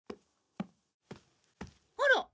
あら！